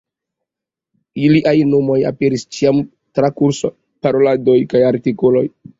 Iliaj nomoj aperis ĉiam tra kursoj, paroladoj kaj artikoloj.